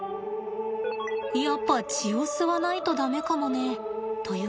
やっぱ血を吸わないと駄目かもね。という